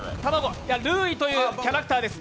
ルーイというキャラクターです